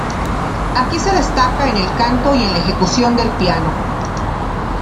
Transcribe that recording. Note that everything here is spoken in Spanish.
Aquí se destaca en el canto y en la ejecución del piano.